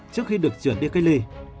trước khi được chuyển đi cây ly